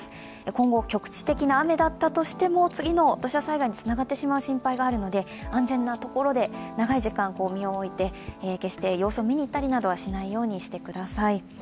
今後、局地的な雨だったりしても次の土砂災害につながってしまう心配があるので安全なところで長い時間、身を置いて決して様子を見に行ったりはしないようにしてください。